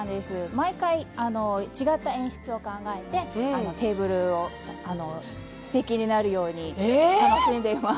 毎回違った演出を考えてテーブルをすてきになるように楽しんでいます。